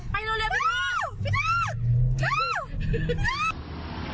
ไปโดนเรือพี่โน่